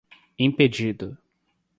impedido